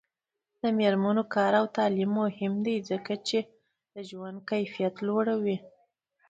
د میرمنو کار او تعلیم مهم دی ځکه چې ژوند کیفیت لوړوي.